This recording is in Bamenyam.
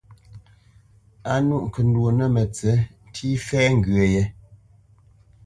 A nûʼ ŋkəndwô nə̂ mətsiʼ ntî fɛ̌ yé ŋgyə̂.